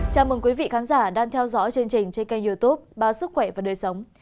chào mừng quý vị khán giả đang theo dõi chương trình trên kênh youtube ba sức khỏe và đời sống